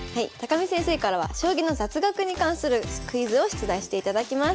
見先生からは将棋の雑学に関するクイズを出題していただきます。